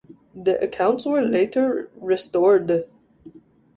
The accounts were later restored.